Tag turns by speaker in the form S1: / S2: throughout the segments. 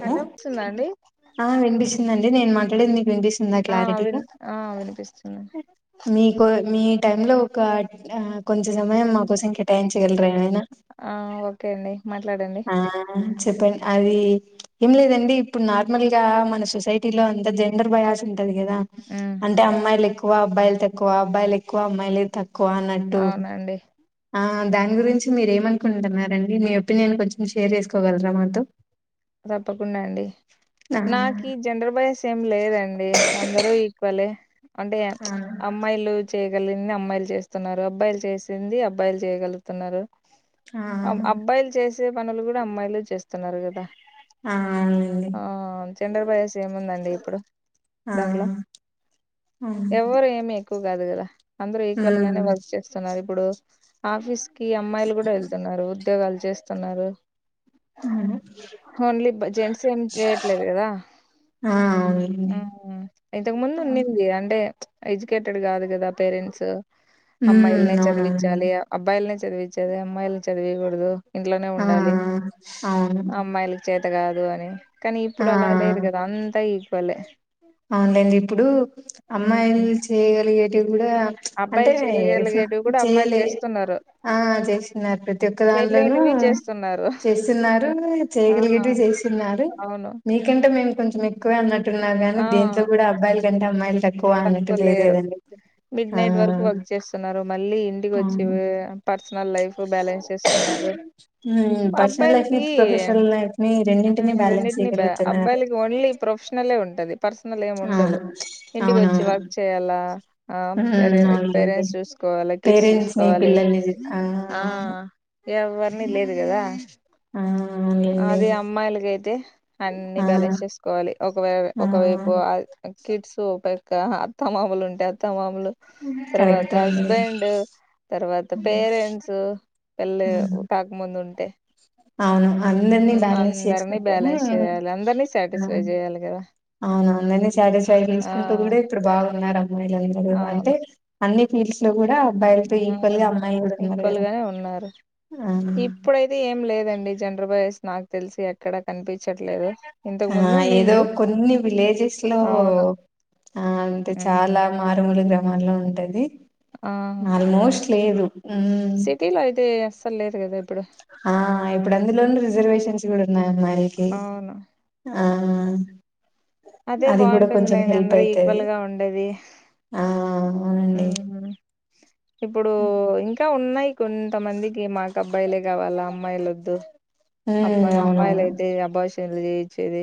S1: Hello వస్తుందా అండి
S2: ఆ వినిపిస్తుందండి. నేను మాట్లాడేది నీకు వినిపిస్తుందా
S1: ఆ విన్
S2: క్లారిటీగా,
S1: ఆ వినిపిస్తుంది
S2: మీకు మీ టైంలో ఒక ఆ కొంచెం సమయం మా కోసం కేటాయించగలరా ఏమైనా
S1: ఆ ఓకే అండి మాట్లాడండి
S2: ఆ చెప్పండి. అది ఏం లేదండి. ఇప్పుడు నార్మల్ గా మన సొసైటీ లో అంత జెండర్ బయాస్ ఉ ది కదా
S1: ఉమ్
S2: అంటే అమ్మాయిలు ఎక్కువ ఓ అబ్బాయిలు తక్కువ అబ్బాయి ఎక్కువ అమ్మాయిలె తక్కు కోనట్టు
S1: అవునండి
S2: ఆ దాని గురించి మీరేమ అనుకుంటున్నారండి. మీ ఒపీనియన్ కొంచెం షేర్ చేసుకోగలరా మాతో
S1: తప్పకుండా అండి.
S2: ఆ
S1: నాకు ఈ జెండర్ బయస్ ఏం లేదండి. అందరూ ఈక్వలే అంటే
S2: ఆ
S1: చ్ అమ్మాయిలు చేయగలిగింది అమ్మాయిలు చేస్తున్నారు. అబ్బాయిలు చేసింది. అబ్బాయిలు చేయగలుగుతున్నారు. అబ్బాయిలు చేస్ వస్తే పనులు కూడా అమ్మాయిలె చేస్తున్నారు. కదా
S2: ఆ అవునండి
S1: ఆ చండర్ బయస్ ఏముందండి. ఇప్పుడు
S2: ఆ
S1: దాంట్లో
S2: అవును
S1: ఎవరు ఏమి ఎక్కువ కాదు కదా అందరూ ఈక్వల్ గానే
S2: హ్మ్
S1: వర్క్ చేస్తున్నారు. ఇప్పుడు ఆఫీస్ కి అమ్మాయిలు కూడా వెళ్తున్నారు. ఉద్యోగాలు చేస్తున్నారు.
S2: అ
S1: ఓన్లీ జెంట్స్ ఏం చేయట్లేదు కదా,
S2: ఆ అవునండి
S1: ఆ ఇంతకు ముందు ఉండింది అంటే ఎడ్యుకేటెడ్ కాదు కదా పేరెంట్స్, అమ్మాయిలనే
S2: హ్మ్ అవునవునండి
S1: చదివించాలి అబ్బాయిలనె చాద్ చదివించేదే అమ్మాయిలు చదివియ్య కూడదు
S2: ఆ ఆ అవును
S1: నీకు చేత కాదు అని కానీ
S2: ఆ
S1: ఇప్పుడు అలా లేదు కదా అంతా ఇ పొలె
S2: అవునండి ఇప్పుడు
S1: ఉమ్,
S2: అమ్మాయిలు చేయగలిగే కూడా అంటే
S1: అబ్బాయిలు చేయగలిగేటివి కూడా అమ్మాయిలు
S2: చెయలే,
S1: చేస్తున్నారు
S2: ఆ చేస్తున్నారు ప్రతి ఒక్క దానిలోనూ
S1: చేయలేనివి చేస్తున్నారు
S2: చేస్తున్నారు.
S1: ఆ
S2: చేయగలిగేటివి చేస్తున్నారు
S1: అవును
S2: మీకంటే మేము కొంచం ఎక్కువే నట్టు ఉన్నారు దేంట్లో కూడా అబ్బాయిల్ ఈ లాంటి అమ్మాయి తక్కువే
S1: తక్కువలేరు మిడ్
S2: ఆ
S1: నైట్ వరకు వర్క్ చేస్తున్నారు మళ్ళీ ఇంటికి వచ్చి
S2: అవును
S1: పర్సనల్ లైఫ్ బ్యాలెన్స్ చేస్తున్నారు.
S2: ఉమ్ పర్సనల్ లైఫ్ ని
S1: అబ్బాయిలకి
S2: ప్రొఫెషనల్ లైఫ్ ని రెండింటిని బ్యాలెన్స్
S1: రెండిటిని బ్య
S2: చేయగలుగుతున్నారు
S1: అబ్బాయిలకి ఓన్లీ ప్రొఫెషనలే ఉంటుంది పర్స్ అలా ఎం ఉండదు
S2: అవును
S1: ఇంటికి వచ్చి
S2: అవునవును
S1: వర్క్ చేయాలా ఆ పేరే
S2: ఉమ్ అవునండి
S1: పేరెంట్స్ చూసుకోవాలె కిడ్స్
S2: పేరెంట్స్ ని
S1: చూకోవాలి
S2: పిల్లల్ని
S1: ఆ ఎవ్వరిని లేదు కదా
S2: ఆ అవునండి
S1: అదే అమ్మాయిలకైతే అన్ని
S2: ఆ
S1: బ్యాలెన్స్ చేసుకోవాలి ఒకవై
S2: ఆ
S1: ఒకవైపు అది కిడ్స్ ఓ పక్క అత్తమామలు ఉంటే అత్తమామ మాలు తర్వాత
S2: కరెక్ట్ అండి
S1: హస్బెండ్ తర్వాత పేరెంట్స్ పెళ్ళి కాకముందు ఉంటే
S2: అవును అందరినీ
S1: ఉమ్
S2: బ్యాలెన్స్
S1: అందరినీ
S2: చేసుకుంటేనే
S1: బ్యాలెన్స్ చేయాలి అందరినీ సాటిస్ఫై చేయాలి కదా
S2: అవును అందరిని సాటిస్ఫై
S1: ఆ
S2: చేసుకుంటూ కూడా ఇప్పుడు బాగున్నారు [inaudible] అంటే అన్ని ఫీల్డ్స్ లో కూడా అబ్బాయిలతో
S1: ఊ
S2: ఈక్వల్ గా అమ్మాయిలు కూడా ఉన్నారు
S1: ఈక్వల్
S2: కదా
S1: గానే ఉన్నారు.
S2: ఆ
S1: ఇప్పుడైతే ఏం లేదండి. జన్రబాయస్ నాకు తెలిసి ఎక్కడ కనిపించి
S2: ఆ ఏదో కొన్ని విలేజెస్ లో
S1: అవును
S2: ఆ అంటే
S1: ఉమ్
S2: చాలా మారుమూలు గ్రామ మళ ఉంటది
S1: ఆ
S2: ఆల్మోస్ట్ లేదు మ్మ్
S1: సిటీలో అయితే అసల్ లేదు కదా ఇప్పుడు
S2: ఆ ఇప్పుడు అందులోను రిజర్వేషన్ న్నాయి మరికి
S1: అవును అదే
S2: అది కూడా
S1: బాగుంటుంది
S2: కొంచెం
S1: లెండి
S2: హెల్ప్
S1: అందరు
S2: అయితది
S1: ఈక్వల్ గా ఉండేది
S2: ఆ అవునండి
S1: ఉమ్ ఇప్పుడు
S2: మ్మ్
S1: ఇంకా ఉన్న ఉన్నాయి కొంతమందికి మాకు అబ్బాయిలే కావాల అమ్మాయిలు వద్దు అబ్బాయి
S2: అవునవును
S1: అమ్మాయిలయితే అబ్బాషన్ తెలిచేయ్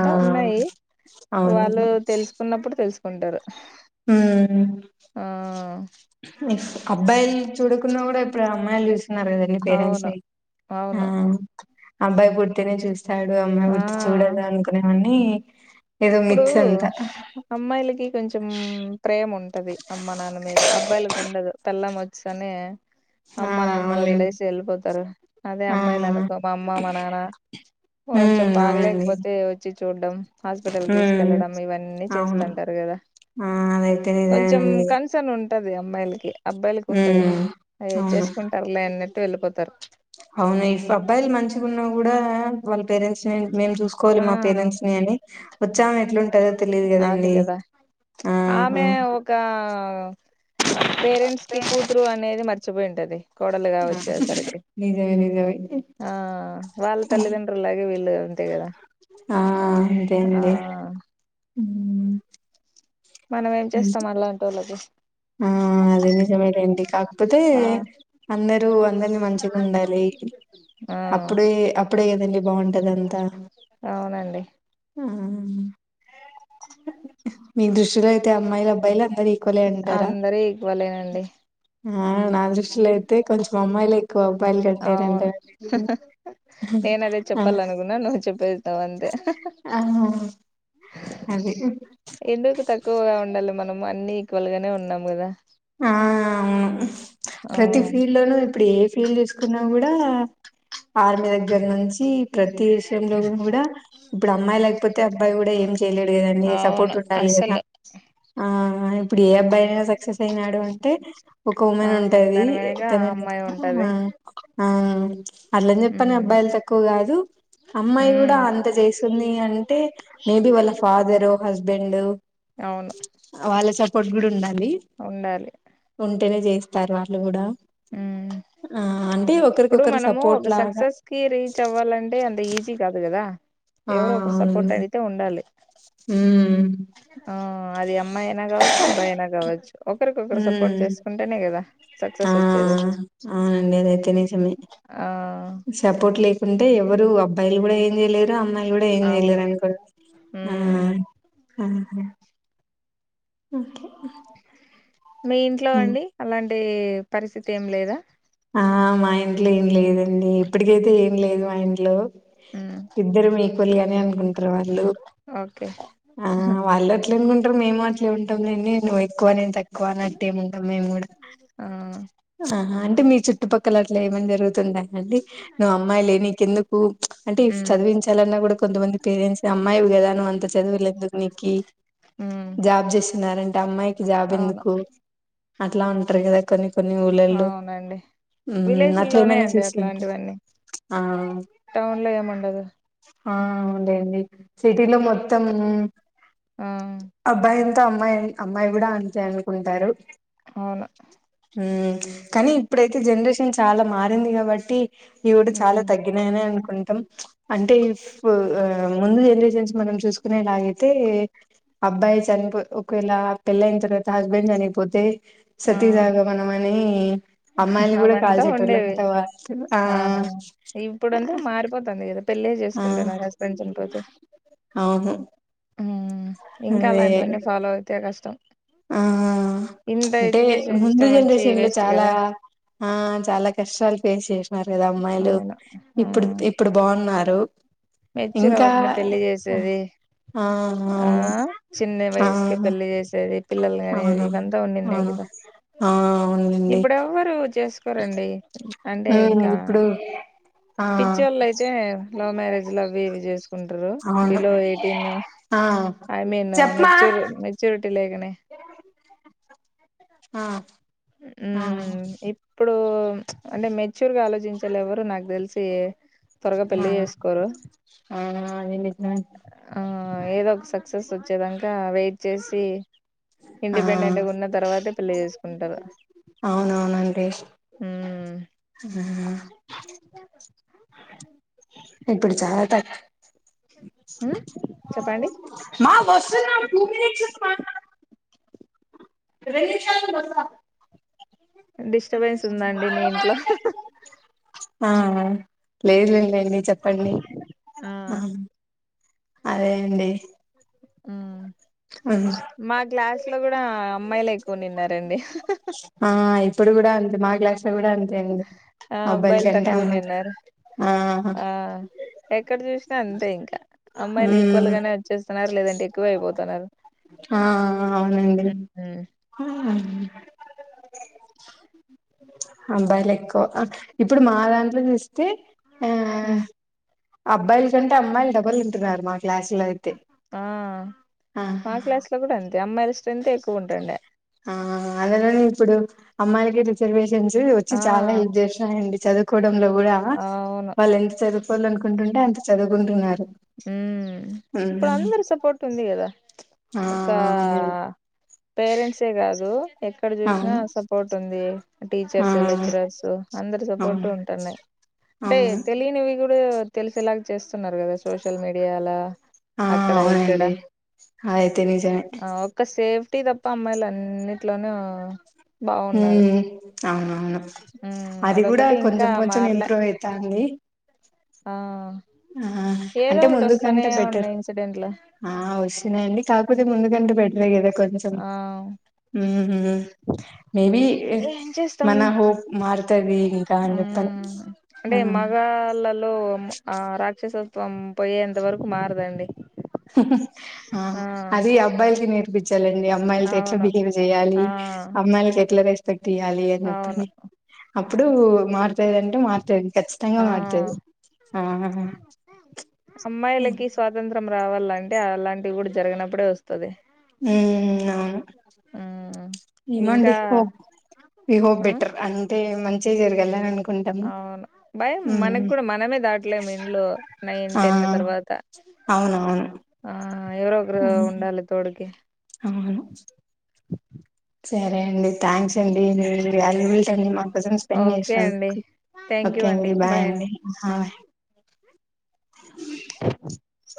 S2: ఆ
S1: ఉన్నాయి వాళ్ళు
S2: అవునవును
S1: తెలుసుకున్నప్పుడు తెలుసుకు కొంటారు
S2: హుమ్
S1: ఆ
S2: అబ్బాయిలు చూడకున్నా కూడా ఇప్పుడు అమ్మాయిలు చూస్ ఉన్నారు కదండి పేరెంట్
S1: అవును అవును
S2: అబ్బాయి పుర్తేనే చూస్త సడు అమ్మాయి పుడితే
S1: ఆ
S2: చూడద అనుకునేవన్నీ ఏదో
S1: ఇప్పుడు
S2: మిచ్చు అంత
S1: అమ్మాయిలకి కొంచెం ప్రేమ ఉంటది. అమ్మ నాన్న మీద అబ్బాయిలకు ఉండదు. పెళ్ళాం వచంగానే
S2: ఆ
S1: అమ్మ నాన్నను
S2: అవునులేండి
S1: వదిలేసి వెళ్ళిపోతారు. అదే
S2: ఆ
S1: అమ్మాయిలు అనుకో, మా అమ్మ, మా నాన్న కొంచెం
S2: ఉమ్ అవునండి
S1: బాగలేకపోతే వచ్చి చూడ్డం.
S2: ఉమ్
S1: తీసుకెళ్లడం ఇవన్నీ
S2: అవును
S1: చేస్తుంటరు కదా
S2: ఆ అదైతే
S1: కొంచెం
S2: నిజమేనండి
S1: కన్సన్ ఉ ఉంటది అమ్మాయిలకి అబ్బాయిలకి ఉండదు
S2: ఉమ్
S1: అగ
S2: అవును
S1: చేసుకుంటారు లేన్న వెళ్ళిపోతారు
S2: అవును ఈ అబ్బాయిలు మంచిగా ఉన్నా కూడా వల్ పేరెంట్స్ ని మేము చూసుకోవాలి
S1: ఆ
S2: మా పేరెంట్స్ అని వచ్చాం ఎట్లాంటుందో తెలియదు
S1: అది
S2: కదండి
S1: కదా ఆమె ఒక మర్చి పోయింటది
S2: నిజమే నిజమే
S1: ఆ వాళ్ళ తల్లితండ్రులు లాగే వీళ్ళు కదా
S2: ఆ అదే
S1: ఆ
S2: అండి హ్మ్
S1: మనం ఏం చేస్తాం అల్లాంటో లతో
S2: ఆ అదే నిజమేలేండి కాకపోతే
S1: ఆ
S2: అందరూ అందరినీ మంచిగా ఉండాలి
S1: ఆ
S2: అప్పుడే అప్పుడే కదండి బాగుంటది అంతా
S1: అవునండి
S2: ఆ అ మీ దృష్టిలో అయితే అమ్మాయిలు అబ్బాయిలు అందరు ఈక్వల్ లే అం
S1: అందర ఈక్వ లేనండి
S2: ఆ నా దృష్టిలో అయితే కొంచెం అమ్మాయిలే
S1: అవును నేన అదే చెప్పాలనుకున్నా నువ్వు చెప్పేసావు అంతే
S2: ఆ అది
S1: ఎందుకు తక్కువగా ఉండాలి మనం అన్ని ఈక్వల్ గానే ఉన్నాం కదా
S2: ఆ అవును ప్రతి
S1: ఆ
S2: ఫీల్డ్ లోనూ ఇప్పుడు ఏ ఫీల్ తీసుకున్నా కూడా ఆర్మీ దగ్గర నుంచి ప్రతి విషయంలో కూడా ఇప్పుడు అమ్మాయి లేకపోతే అబ్బాయి కూడా ఏ ఎం చేయలేడు కదా అండి
S1: అవును
S2: సపోర్ట్ ఉండాలి కదా
S1: అస్సలు
S2: ఆ ఆ ఇప్పుడు ఏ అబ్బాయినా సక్సెస్ పోయినాడు అంటే ఒక
S1: ఆ
S2: ఉమెన్ ఉంటాది
S1: దాని వెనక ఆ
S2: తన
S1: అమ్మాయి
S2: ఆ
S1: ఉంటది
S2: ఆ అట్లని చెప్పను
S1: ఉమ్
S2: అబ్బాయిలు తక్కువ కాదు అమ్మాయి కూడా
S1: ఉమ్
S2: అంత చేస్తుంది అంటే మే బి వాళ్ళ ఫాదరు హస్బెండ్ బెండు
S1: అవును
S2: వాళ్ల స కొడుగుఉండాలి [unintelligible]
S1: ఉండలి
S2: పెళ్లి చేస్తారు అట్లా కూడా
S1: ఉమ్
S2: ఆ అంటే
S1: ఇప్పుడు
S2: ఒకరికొకరు
S1: మనము
S2: సపోర్ట్
S1: ఒక
S2: లాగా
S1: సక్సెస్ కి రీచ్ అవ్వాలంటే అంత ఈజీ కాదు కదా. ఎవరు ఒకరు సపోర్ట్ అయితే ఉండాలి
S2: హ్మ్
S1: ఆ మదే అమ్మాయినా కావచ్చు అబ్బాయియినా కావచ్చు ఒకరికొకరు సపోర్ట్
S2: ఉమ్
S1: చేసుకుంటేనే కదా
S2: ఆ
S1: సక్సెస్ వచ్చేది.
S2: అవునండి అదైతే నిజమే
S1: ఆ
S2: ఉంటే ఎవరు అబ్బాయిలు కూడా ఏం చేయలేర్ ఇంక అమ్మాయిలు కూడా ఏమి
S1: అవును
S2: చెయ్యలేరు అనుకోండి హా
S1: ఉమ్
S2: హా అహ
S1: మీ ఇంట్లో
S2: హ్మ్.
S1: అండి అలాంటి అంటే పరిస్థితి ఏం లేదా
S2: ఆ మా ఇంట్లో ఏం లేదండి ఇప్పటికైతే ఏం లేదు మా ఇంట్లో.
S1: మ్మ్
S2: ఇద్దరం ఈక్వల్ గానే అనుకుంటారు వాళ్ళు
S1: ఓకే
S2: ఆ వాళ్ళు ట్లే అనుకుంటారు మేముఅట్ ట్లే ఉంటాంలేండి నువ్వు ఎక్కువ నేను తక్కువ అన్నట్టు ఏమి ఉండమ్మ మేముగూడా.
S1: ఆ
S2: ఆహా అంటే మీ.. చుట్టుపక్కల అట్ల ఏమని జరుగుతుండాంటే నువ్ అమ్మాయిలే నీకెందుకు అంటే ఇఫ్
S1: మ్మ్
S2: చదివించాలన్నా కూడా కొ.. కొంతమంది పేరెంట్స్ అమ్మాయివి కదా నువ్వు అంత చదువులు ఎందుకు నీకి
S1: మ్మ్
S2: జాబ్ చేస్తున్నారూ అంటే అమ్మాయికి జాబ్
S1: అవును
S2: ఎందుకు అట్లా అంటారు కదా కొన్ని కొన్ని ఊళ్ళల్లో. ఉమ్ అట్లా
S1: విలేజ్ల్లోనే
S2: ఏమైనా
S1: అండి
S2: చూస్తుంటే
S1: అట్లాంటివన్నీ
S2: ఆ
S1: టౌన్ లో ఏముండదు.
S2: ఆ అవును లేండి సిటీలో మొత్తం
S1: ఆ
S2: అబ్బాయి ఎం త అమ్మాయి అమ్మాయి కూడా అంతే అనుకుంటారు.
S1: అవును
S2: ఉమ్ కానీ ఇప్పుడైతే జనరేషన్ చాలా మారింది కాబట్టి. ఇవి కూడా చాలా
S1: మ్మ్
S2: తగ్గినాయనే అనుకుంటాం అంటే ముందు జనరేషన్స్ మనం చూసుకునేలాగైతే అబ్బాయి చనిపో ఒకవేళ పెళ్ళి అయిన తర్వాత హస్బెండ్ చనిపోతే..
S1: ఆ
S2: సతీసగామనామై నీ అమ్మాయిల్ని కూడా
S1: అవంతా
S2: కాల్చేటోళ్లు
S1: ఉండేవి
S2: అంటా వాలు ఆ
S1: పెళ్లి
S2: ఆ
S1: చేసుకుంటా నా హస్బెండ్ చనిపోతే
S2: అవును
S1: ఇంకా
S2: అదే
S1: అలాంటివన్నీ ఫాలో అవుతే కష్టం
S2: ఆ
S1: ఇంత
S2: అంటే
S1: ఎడ్యుకేషన్
S2: ముందు
S1: సిస్టం వచ్చి
S2: జనరేషన్ లో
S1: వేస్ట్
S2: చాలా
S1: కదా
S2: ఆ చాలా కష్టాలు ఫేస్ చేసినన్నారు కదా అమ్మాయిలు
S1: అవును
S2: ఇప్పుడు ఇప్పుడు బాగున్నారు లో
S1: మెచ్చూర్వకనే పెళ్లి చేసేది
S2: ఆ
S1: ఆ
S2: అవును
S1: చిన్న
S2: ఆ
S1: వయసుకి పెళ్లి చేసేది పిల్లలుగానేది
S2: అవును
S1: ఇవంతా ఉండింది
S2: అవును
S1: కదా
S2: ఆ అవునండి
S1: ఇప్పుడువ్వరు చేసుకో రండి అంటే
S2: హ్మ్
S1: ఇంకా
S2: ఇప్పుడు ఆ
S1: పిచ్చివాళ్ళు అయితే లవ్ మ్యారేజ్ వీడియోస్ టారు
S2: అవును
S1: బిలో ఎయిటీన్
S2: ఆ
S1: ఐ మీన్
S2: చెప్మా
S1: మెచ్యూర్ మెచ్యూరిటీ లేకనే
S2: ఆ ఆ
S1: ఉమ్ ఇప్పుడు అంటే మెచ్యూర్ గా ఆలోచించాలి ఎవరు నాకు తెలిసి త్వరగా పెళ్లి చేసుకోరు
S2: అన్ని నిజమే
S1: ఆ ఏదో ఒక సక్ సక్సెస్ వచ్చేదాక వెయిట్ చేసి
S2: ఆ
S1: ఇండిపెండెంట్గా ఉన్న తర్వాతే పెళ్లి చేసుకుంటారు
S2: అవునవునండి ఆ ఇప్పుడు చాలా తక్
S1: చెప్పండి
S2: మా వస్తు టూ మినిట్స్ రెండు నిమిషాలకు వస్తాం
S1: డిస్టర్బెన్స్ ఉందండి మీ ఇంట్లో
S2: ఆ లేదులే లెండి చెప్పండి ఆ అదేండి
S1: ఆ మా క్లాస్ లో కూడా అమ్మాయిలు ఎక్కువ నిన్నారండి
S2: ఆ ఇప్పుడు కూడా అంతే మా గ్లాస్ కూడా అంతే అండి
S1: ఆ
S2: అబ్బాయిల
S1: అబ్బాయిలు
S2: కంటే
S1: తక్కువ
S2: అమ్మాయి
S1: నిన్నారు
S2: ఆ
S1: ఆ ఎక్కడ చూసిన అంతే ఇంకా అమ్మాయిలు ఈక్వల్
S2: హ్మ్
S1: గానే వచ్చేస్తున్నారు లేదంటే ఎక్కువే అయిపోతున్నారు
S2: ఆ అవునండి
S1: ఉమ్
S2: అబ్బాయిలు ఎక్కువ ఇప్పుడు మా దాంట్లో చేస్త తే
S1: ఉమ్
S2: అబ్బాయిల కంటే అమ్మాయిలే ఉంటున్నారు అన్న మాట్ క్లాస్లోలో అయితే
S1: ఆ
S2: ఆ
S1: మా క్లాస్ లో కూడా అంతే అమ్మాయిల స్ట్రెంత్ ఏ ఎక్కువ ఉంటండే
S2: ఆ అందులోనే ఇప్పుడు అమ్మాయిలకి రిజర్వేషన్ స్ వచ్చి
S1: ఆ
S2: చాలా హెప్ చేస్తున్నాయండి చదువు కొడంలో కూడా
S1: అవును
S2: వాళ్ళు ఎంత చదువ్ కోవాలనుకుంటుంటే అంత చదువుకుంటున్నారు
S1: హు ఇప్పుడు అందరి సపోర్ట్ ఉంది కదా
S2: ఆ
S1: ఓకా
S2: అవునండి
S1: పేరెంట్సే ఏ కాదు ఎక్కడ చూసినా
S2: అవును
S1: సపోర్ట్ ఉంది.
S2: ఆ
S1: టీచర్స్ లెక్చలర్సు అందరు సపోర్ట్
S2: అవును
S1: ఉంటున్నాయి అంటే
S2: అవును
S1: తెలియనివి కూడా తెలిసేలాగ చేస్తున్నారు క సోషల్ మీడియాాల
S2: ఆ
S1: అక్కడ ఇక్కడ
S2: అవునండి అదైతే నిజమే
S1: ఒక్క సేఫ్ ట్టి తప్ప అమ్మాయిలు అన్నింటిలోను
S2: హ్మ్ అవునవును
S1: ఉమ్
S2: అది కూడా
S1: అదొకటి ఇంకా
S2: కొంచెం కొంచెం
S1: మారలే
S2: ఇంప్రూవ్ అయితాంది.
S1: ఆ
S2: ఆ
S1: ఏదో
S2: అంటే
S1: ఒకటి వస్తానే
S2: ముందుకంటే బెటర్
S1: ఉన్నాయి ఇన్సిడెంట్లు
S2: ఆ వస్తున్నాయండి కాకపోతే ముందుకంటే బెటరే ఏ కదా కొంచెం
S1: ఆ
S2: హు మేబి
S1: ఏం
S2: మన
S1: చేస్తాము
S2: హోప్ మారుతది ఇంకా అని చెప్పి ఆన్
S1: ఓ ఆ రాక్షసత్వం పోయేంత వరకు మారదండి
S2: ఆ అది అబ్బాయిలకి నేర్ప్ పించాలండి అమ్మాయిలతో ఎట్లా
S1: అవును
S2: బిహేవ్ చేయాలి
S1: ఆ
S2: అమ్మాయిలకి ఎట్లా రెస్ట్ తీయాలి అని
S1: అవును
S2: చెప్పని అప్ ఇప్పుడు మార్చ లేదంటే మారుతది ఖచ్చితంగా
S1: ఆ
S2: మారుతది ఆ
S1: అంటే అలాంటివి కూడా జరిగనప్పుడే వస్తది
S2: హ్మ్ అవును
S1: మ్
S2: ఎమోఅండి
S1: ఇంకా
S2: హోప్ వి హోప్
S1: ఆ
S2: బెటర్ అంటే మన్ మంచే జరిగల్ల అను
S1: అవును భయం మనకు కూడా మనమే దాటలేము ఇంట్లో నైన్
S2: ఆ
S1: టెన్ తర్వాత
S2: అవునవును
S1: ఆ ఎవరో ఒకరు
S2: ఉమ్
S1: ఉండాలి తోడుకి
S2: అవును సరే అండి థ్యాంక్స్ అండి మీ వాల్యూబుల్ టైమ్ నీ మా కోసం స్పెండ్
S1: ఓకే అండి
S2: చేసినందుకు ఓకే అండి బాయ్ అండి బాయ్
S1: ఆ